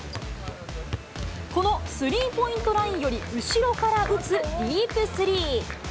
このスリーポイントラインより後ろから打つディープスリー。